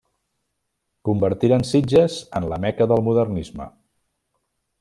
Convertiren Sitges en la Meca del Modernisme.